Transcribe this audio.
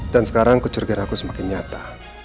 dan sekarang kecurigaan aku semakin nyata